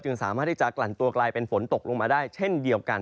สามารถที่จะกลั่นตัวกลายเป็นฝนตกลงมาได้เช่นเดียวกัน